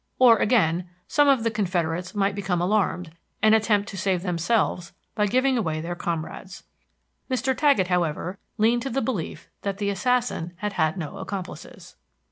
Or, again, some of the confederates might become alarmed, and attempt to save themselves by giving away their comrades. Mr. Taggett, however, leaned to the belief that the assassin had had no accomplices.